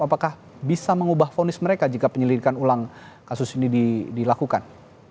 apakah bisa mengubah ponis mereka jika penyelidikan ulang kasus ini dilakukan